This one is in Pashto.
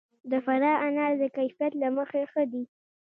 د فراه انار د کیفیت له مخې ښه دي.